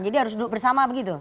jadi harus duduk bersama begitu